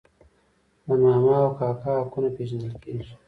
د ماما او کاکا حقونه پیژندل کیږي.